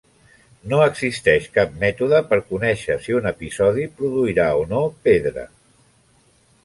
No existeix cap mètode per conèixer si un episodi produirà o no pedra.